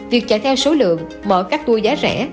việc chạy theo số lượng mở các tour giá rẻ